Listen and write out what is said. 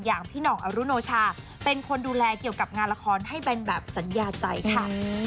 อย่างพี่หน่องอรุโนชาเป็นคนดูแลเกี่ยวกับงานละครให้เป็นแบบสัญญาใจค่ะ